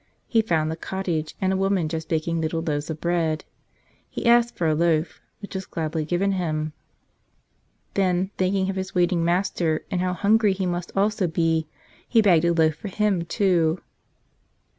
He found the cottage and a woman just baking little loaves of bread. He asked for a loaf, which was gladly given him. Then, thinking of 112 What a Promise! his waiting Master and how hungry He must also be, he begged a loaf for Him, too.